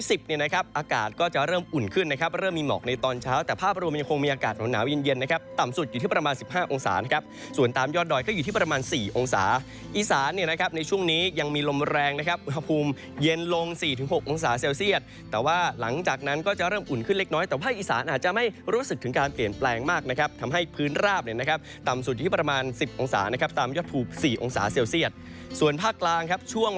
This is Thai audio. อีสานเนี่ยนะครับในช่วงนี้ยังมีลมแรงนะครับอุณหภูมิเย็นลงสี่ถึงหกองศาเซลเซียตแต่ว่าหลังจากนั้นก็จะเริ่มอุ่นขึ้นเล็กน้อยแต่ว่าอีสานอาจจะไม่รู้สึกถึงการเปลี่ยนแปลงมากนะครับทำให้พื้นราบเนี่ยนะครับต่ำสุดอยู่ที่ประมาณสิบองศานะครับตามยอดถูกสี่องศาเซลเซียตส่วนภาค